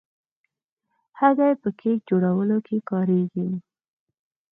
هګۍ په کیک جوړولو کې کارېږي.